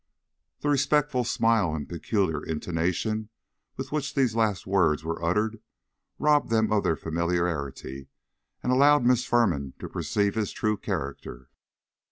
The respectful smile and peculiar intonation with which these last words were uttered, robbed them of their familiarity and allowed Miss Firman to perceive his true character.